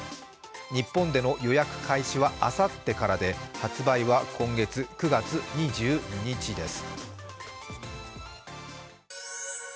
日本での予約開始はあさってからで、発売は今月、９月２２日です。